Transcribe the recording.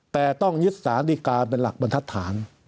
แต่ต้องยึดสารดีการเป็นหลักบรรทัศน